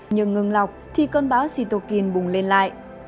nhưng ngừng lọc thì cơn bão sitokin bùng lên lại